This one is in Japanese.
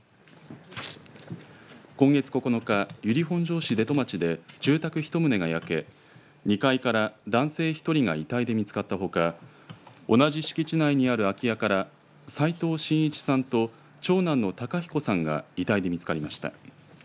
今月９日、由利本荘市出戸町で住宅１棟が焼け２階から男性１人が遺体で見つかったほか同じ敷地内にある空き家から齋藤真一さんと長南の孝彦さんが遺体で見つかりました。